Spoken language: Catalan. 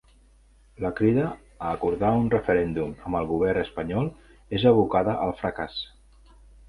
La crida a acordar un referèndum amb el govern espanyol és abocada al fracàs.